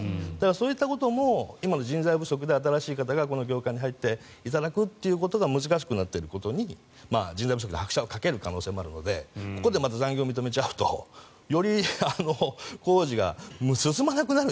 そういったことも今の人材不足で新しい方がこの業界に入っていただくっていうことが難しくなっていることに人材不足に拍車をかける可能性があるのでここでまた残業を認めちゃうとより工事が進まなくなる。